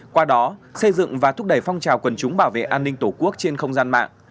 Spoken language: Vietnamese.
qua đó xây dựng và thúc đẩy phong trào quần chúng bảo vệ an ninh tổ quốc trên không gian mạng